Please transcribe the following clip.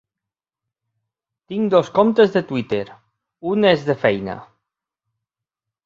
Tinc dos comptes de Twitter, un és de feina.